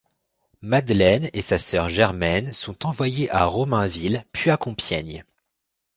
Madeleine et sa sœur Germaine sont envoyées à Romainville, puis à Compiègne.